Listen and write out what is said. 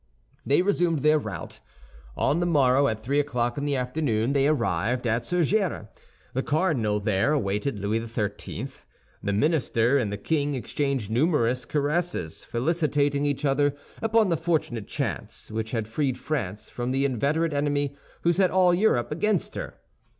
They resumed their route. On the morrow, at three o'clock in the afternoon, they arrived at Surgères. The cardinal there awaited Louis XIII. The minister and the king exchanged numerous caresses, felicitating each other upon the fortunate chance which had freed France from the inveterate enemy who set all Europe against her.